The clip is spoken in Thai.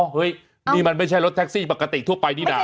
เฮ้ยนี่มันไม่ใช่รถแท็กซี่ปกติทั่วไปนี่นะ